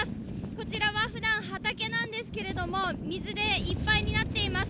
こちらはふだん畑なんですけども水でいっぱいになっています。